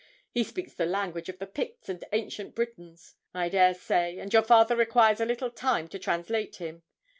He speaks the language of the Picts and Ancient Britons, I dare say, and your father requires a little time to translate him.